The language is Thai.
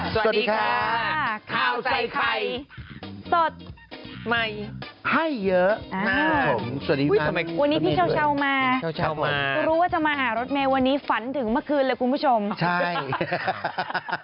สวัสดีค่ะข้าวใส่ไข่สดใหม่ให้เยอะมากสวัสดีค่ะวันนี้พี่เช่าเช่ามาเช่าเช่ามารู้ว่าจะมาหารถแมววันนี้ฝันถึงเมื่อคืนเลยคุณผู้ชมใช่ค่ะ